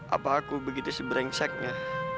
apa aku begitu sih brengseknya